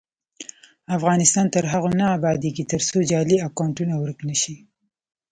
افغانستان تر هغو نه ابادیږي، ترڅو جعلي اکونټونه ورک نشي.